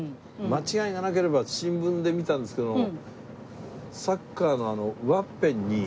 間違いがなければ新聞で見たんですけどサッカーのワッペンに。